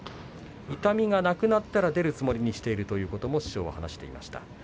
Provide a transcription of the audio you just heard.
痛みがなくなったら出るつもりにしているということも師匠は話していました。